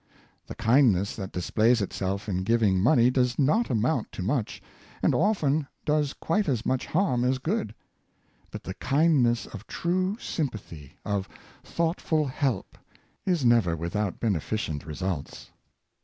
The kindness that displays itself in giving money does not amount to much, and often does quite as much harm as good ; but the kindness of true sympathy, of thoughtful help, is never without beneficient results.